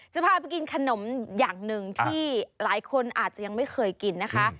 จะพาไปกินขนมอย่างหนึ่งที่หลายคนอาจจะยังไม่เคยกินนะคะ